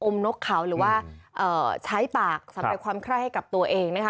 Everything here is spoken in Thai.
นกเขาหรือว่าใช้ปากสำเร็จความไคร้ให้กับตัวเองนะคะ